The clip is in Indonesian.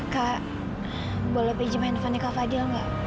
kak boleh pinjam handphonenya kak fadil gak